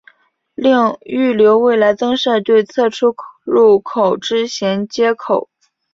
另预留未来增设对侧出入口之衔接口。